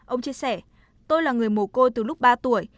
ông chia sẻ tôi là người mồ côi từ lúc ba tuổi